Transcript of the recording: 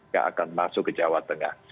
yang akan masuk ke jawa tengah